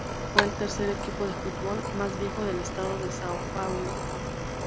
Fue el tercer equipo de fútbol más viejo del estado de Sao Paulo.